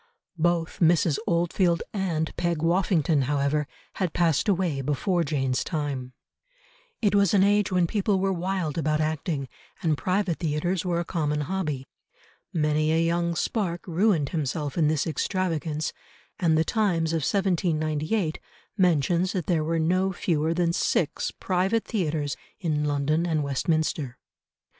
Both Mrs. Oldfield and Peg Woffington, however, had passed away before Jane's time. [Illustration: THE REV. GEORGE CRABBE] It was an age when people were wild about acting, and private theatres were a common hobby, many a young spark ruined himself in this extravagance, and The Times of 1798 mentions that there were no fewer than six private theatres in London and Westminster.